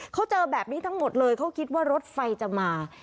เขาเจอแบบนี้ทั้งหมดเลยเขาคิดว่ารถไฟจะมา